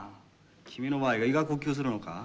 君の場合は胃が呼吸するのか。